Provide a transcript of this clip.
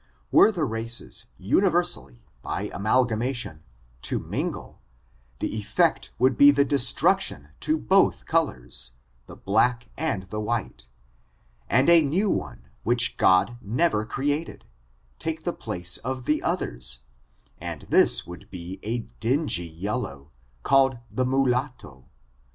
Were the races universally, by amalgamation, to mingle, the effect would be the destruction to both colors, the black and white, and a new one, which God never created, take the place of the others, and this would be a dingy yellow, called the Mulatto.